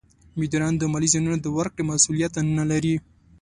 مدیران د مالي زیانونو د ورکړې مسولیت نه لري.